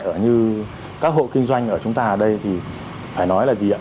ở như các hộ kinh doanh ở chúng ta ở đây thì phải nói là gì ạ